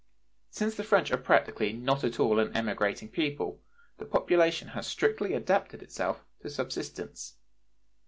Since the French are practically not at all an emigrating people, population has strictly adapted itself to subsistence.